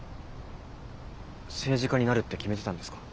政治家になるって決めてたんですか？